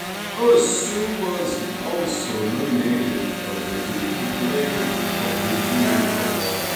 Owusu was also nominated for the League Player of the Year Award.